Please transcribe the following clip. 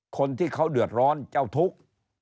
คนที่เขาเดือดร้อนเจ้าทุกข์